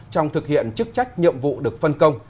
trong thực hiện chức trách nhiệm vụ được phân công